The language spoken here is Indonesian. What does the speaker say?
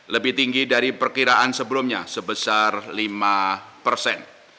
lebih tinggi dari perkiraan sebelumnya sebesar lima persen